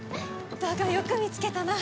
だがよく見つけたな